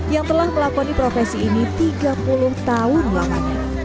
yang telah melakoni profesi ini tiga puluh tahun lamanya